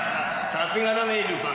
さすがだねルパン。